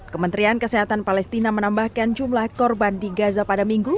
kementerian kesehatan palestina menambahkan jumlah korban di gaza pada minggu